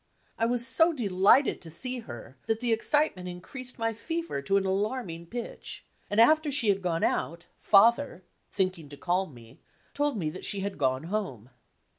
I was so delighted to see her that the excitement increased my fever to an alarming pitch, and after she had gone out. Father, thinking to calm me, told me that she had gone home.